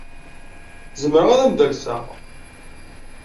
Zemreɣ ad am-d-alseɣ?